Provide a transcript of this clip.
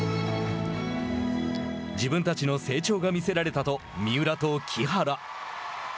自分たちの成長が見せられたと三浦と木原。